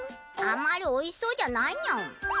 あんまりおいしそうじゃないニャン。